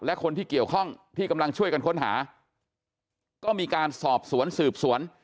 และคนที่เกี่ยวข้องที่กำลังช่วยกันค้นหาก็มีการสอบสวนสืบสวน